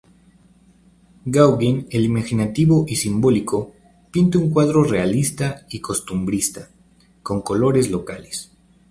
Gauguin, el imaginativo y simbólico, pinta un cuadro realista y costumbrista, con colores locales.